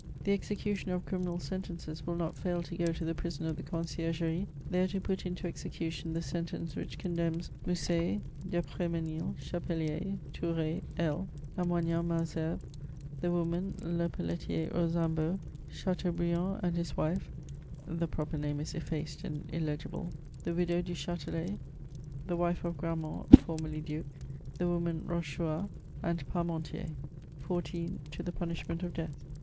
" The executioner of criminal sentences will not &il to go to the prison of the Conciergerie, there to put into execution the sentence which condemns Mousset, d'Espr^menil, Chapelier, Thouret, HeU, Lamoignon Malsherbes, the woman Lepelletier Rosambo, Chateau Brian and his wife (the proper name is effaced and illegible), the widow Duchatelet, the wife of Gram mont, formerly Duke, the woman Rochechuart (Bochechou* art), and Parmentier :— 14, to the punishment of death.